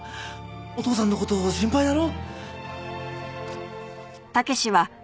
お父さんの事心配だろ？